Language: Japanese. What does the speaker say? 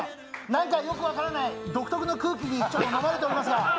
何かよく分からない独特な空気に飲まれておりますが。